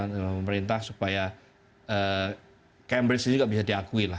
sama pemerintah supaya cambridge ini juga bisa diakui